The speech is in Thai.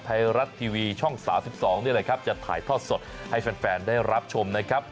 ไทยรัฐทีวีช่อง๓๒นี่แหละครับจะถ่ายทอดสดให้แฟนได้รับชมนะครับ